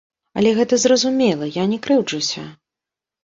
Але гэта зразумела, я не крыўджуся.